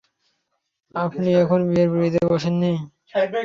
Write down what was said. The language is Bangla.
আপনি এখনো বিয়ের পিড়িতে বসেন নি?